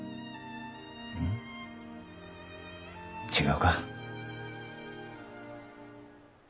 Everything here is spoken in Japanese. うん違うか？